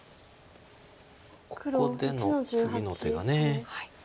ここでの次の手が。